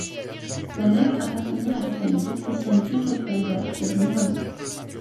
La nef appartenait à la famille patricienne Schlüsselfelder de Nuremberg.